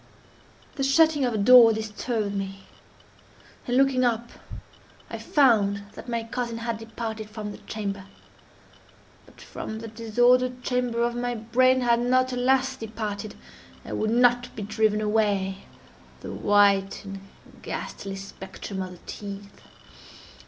The shutting of a door disturbed me, and, looking up, I found that my cousin had departed from the chamber. But from the disordered chamber of my brain, had not, alas! departed, and would not be driven away, the white and ghastly spectrum of the teeth.